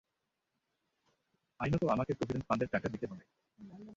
আইনত আমাকে প্রভিডেন্ট ফান্ডের টাকা দিতে হবে।